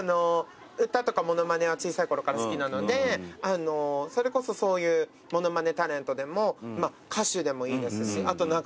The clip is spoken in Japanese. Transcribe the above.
歌とか物まねは小さいころから好きなのでそれこそそういう物まねタレントでも歌手でもいいですしあと何か。